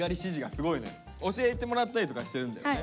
教えてもらったりとかしてるんだよね。